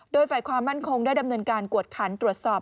โดยฝ่ายความมั่นคงได้ดำเนินการกวดขันตรวจสอบ